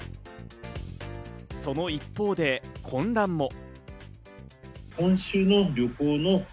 その一方で混乱も。